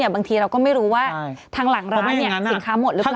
บางทีเราก็ไม่รู้ว่าทางหลังร้านสินค้าหมดหรือเปล่า